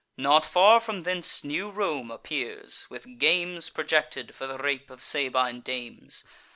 Not far from thence new Rome appears, with games Projected for the rape of Sabine dames.